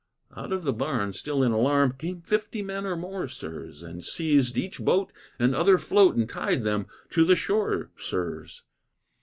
Out of the barn, still in alarm, Came fifty men or more, sirs, And seized each boat and other float And tied them to the shore, sirs.